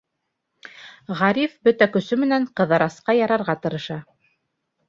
Ғариф бөтә көсө менән Ҡыҙырасҡа ярарға тырыша.